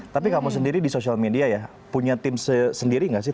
tapi kamu sendiri di social media ya punya tim sendiri nggak sih